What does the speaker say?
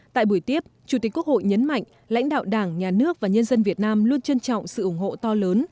tại buổi tiếp chủ tịch quốc hội nhấn mạnh lãnh đạo đảng nhà nước và nhân dân việt nam luôn trân trọng sự ủng hộ to lớn